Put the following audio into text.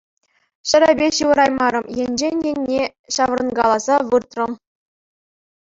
Ҫӗрӗпе ҫывӑраймарӑм, енчен енне ҫаврӑнкаласа выртрӑм.